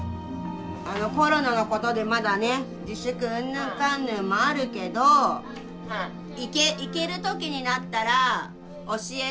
コロナのことでまだね自粛うんぬんかんぬんもあるけど行ける時になったら教えて。